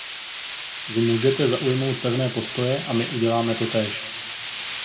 Vy můžete zaujmout pevné postoje a my uděláme totéž.